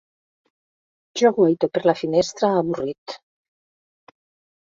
Jo guaito per la finestra, avorrit.